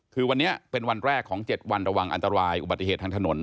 คือวันนี้เป็นวันแรกของ๗วันระวังอันตรายอุบัติเหตุทางถนน